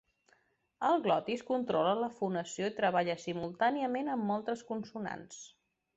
El glotis controla la fonació i treballa simultàniament amb moltes consonants.